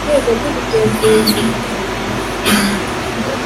ndakwinginze ureke ukuboko kwanjye